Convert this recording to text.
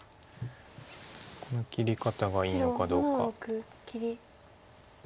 この切り方がいいのかどうか。